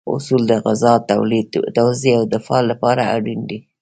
اصول د غذا تولید، توزیع او دفاع لپاره اړین دي.